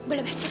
aduh ya ampun